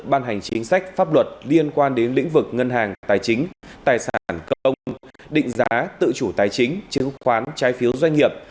ban hành chính sách pháp luật liên quan đến lĩnh vực ngân hàng tài chính tài sản công định giá tự chủ tài chính chứng khoán trái phiếu doanh nghiệp